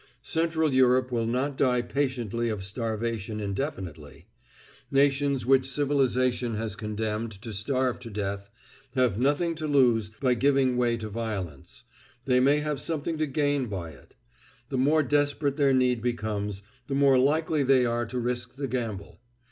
Central Europe will not die patiently of starvation indefinitely. Nations which civilisation has condemned to starve to death have nothing to lose by giving way to violence; they may have something to gain by it The more desperate their need becomes, the more likely they are to risk the gamble.